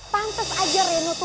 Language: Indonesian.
pantes aja reno tuh marah sama kamu